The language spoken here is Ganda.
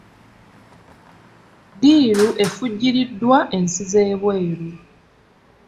Ddiiru efujjiriddwa ensi z'ebweru.